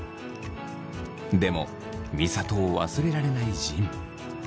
でも美里を忘れられない仁。